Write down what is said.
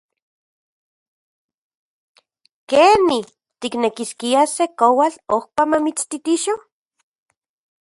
¡Keni! ¿tiknekiskia se koatl ojpa mamitstitixo?